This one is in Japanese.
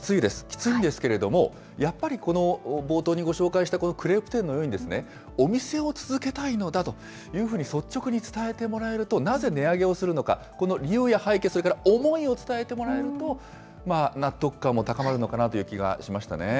きついんですけれども、やっぱりこの冒頭にご紹介したこのクレープ店のように、お店を続けたいのだというふうに率直に伝えてもらえると、なぜ値上げをするのか、この理由や背景、それから思いを伝えてもらえると、まあ、納得感も高まるのかなとい